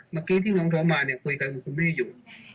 เมื่อกี้ที่น้องโทรมาเนี่ยคุยกันคือคุณไม่ได้อยู่